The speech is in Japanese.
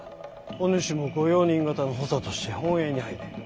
お主も御用人方の補佐として本営に入れ。